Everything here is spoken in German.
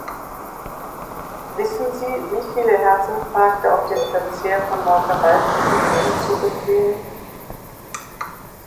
Wissen Sie, wieviele Herzinfarkte auf den Verzehr von Molkereiprodukten zurückgehen?